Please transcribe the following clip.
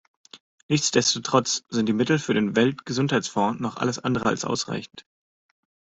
Nichtsdestotrotz sind die Mittel für den Weltgesundheitsfonds noch alles andere als ausreichend.